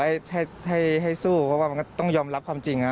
ให้ให้สู้เพราะว่ามันก็ต้องยอมรับความจริงนะ